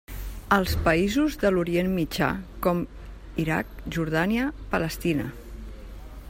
Als països de l'orient mitjà com Iraq, Jordània, Palestina.